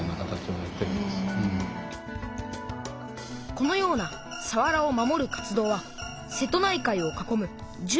このようなさわらを守る活動は瀬戸内海を囲む１１